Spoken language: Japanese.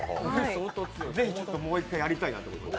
ぜひ、もう一回やりたいなということで。